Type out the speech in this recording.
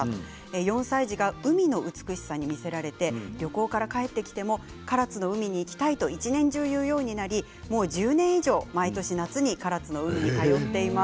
４歳児が海の美しさに魅せられて旅行から帰ってきても唐津の海に行きたいと一年中言うようになりもう１０年以上、毎年夏に唐津の海に行っています。